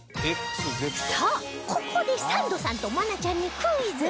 さあここでサンドさんと愛菜ちゃんにクイズ